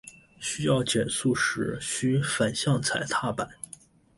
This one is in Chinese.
需要减速时须反向踩踏板。